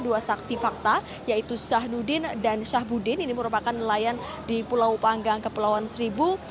dua saksi fakta yaitu syah nudin dan syahbudin ini merupakan nelayan di pulau panggang kepulauan seribu